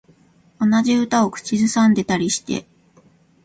同じ歌を口ずさんでたりして